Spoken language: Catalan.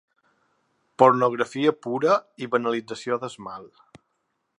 Pornografia pura i banalització del mal.